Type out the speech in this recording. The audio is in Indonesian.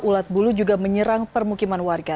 ulat bulu juga menyerang permukiman warga